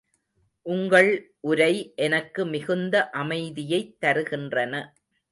உங்கள் உரை எனக்கு மிகுந்த அமைதியைத் தருகின்றன.